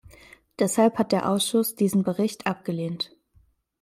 Deshalb hat der Ausschuss diesen Bericht abgelehnt.